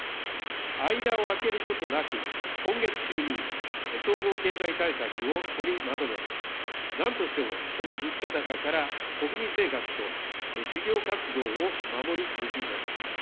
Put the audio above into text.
間を空けることなく、今月中に、総合経済対策を取りまとめ、なんとしてもこの物価高から、国民生活と事業活動を守り抜きます。